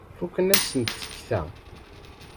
Fukent-asent tekta.